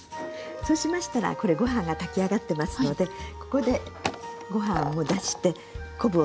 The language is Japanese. そうしましたらこれご飯が炊き上がってますのでここでご飯をもう出して昆布を取り出します。